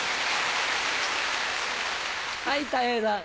はいたい平さん。